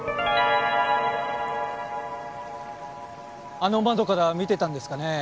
あの窓から見ていたんですかね？